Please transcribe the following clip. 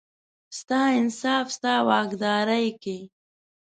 ستا انصاف، ستا واکدارۍ کې،